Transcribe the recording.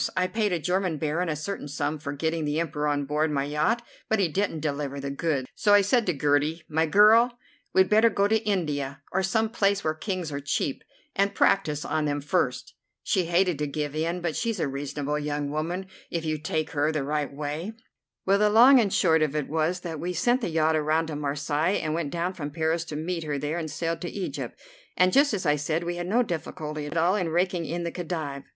I paid a German Baron a certain sum for getting the Emperor on board my yacht, but he didn't deliver the goods. So I said to Gertie: 'My girl, we'd better go to India, or some place where Kings are cheap, and practise on them first.' She hated to give in, but she's a reasonable young woman if you take her the right way. Well, the long and the short of it was that we sent the yacht around to Marseilles, and went down from Paris to meet her there, and sailed to Egypt, and, just as I said, we had no difficulty at all in raking in the Khedive.